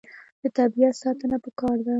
د طبیعت ساتنه پکار ده.